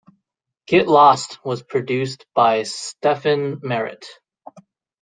"Get Lost" was produced by Stephin Merritt.